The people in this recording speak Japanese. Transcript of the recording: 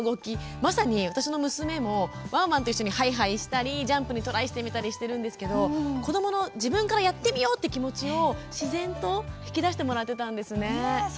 まさに私の娘もワンワンと一緒にハイハイしたりジャンプにトライしているんですが子どもが自分からやってみようという気持ちを自然と引き出してもらっていたんですね。